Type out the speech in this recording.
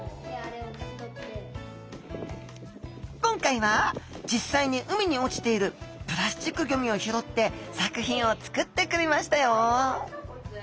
今回は実際に海に落ちているプラスチックゴミを拾って作品を作ってくれましたよ